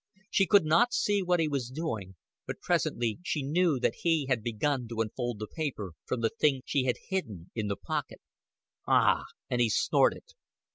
She could not see what he was doing, but presently she knew that he had begun to unfold the paper from the things she had hidden in the pocket. "Ah," and he snorted.